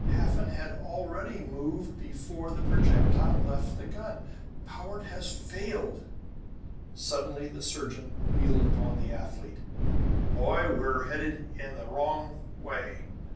Hafen had already mooved before the projectile left the gun. Powart has failed!" Suddenly the surgeon wheeled upon the athlete. "Boy, we're headed in the wrong way!